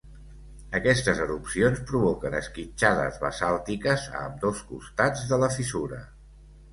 Aquestes erupcions provoquen esquitxades basàltiques a ambdós costats de la fissura.